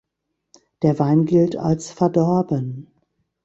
Der Wein gilt als verdorben.